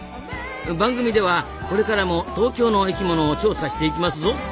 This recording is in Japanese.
番組ではこれからも東京の生きものを調査していきますぞ。